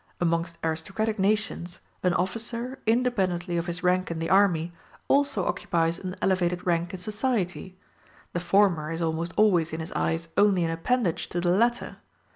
Amongst aristocratic nations, an officer, independently of his rank in the army, also occupies an elevated rank in society; the former is almost always in his eyes only an appendage to the latter.